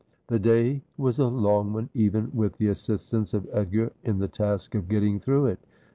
The day was a long one, even with the assistance of Edgar in the task of getting through it.